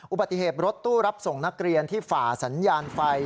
อุบัติเหตุรถตู้รับส่งนักเรียนที่ฝ่าสัญญาณไฟ